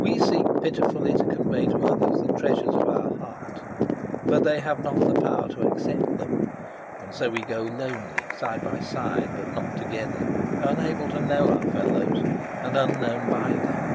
We seek pitifully to convey to others the treasures of our heart, but they have not the power to accept them, and so we go lonely, side by side but not together, unable to know our fellows and unknown by them.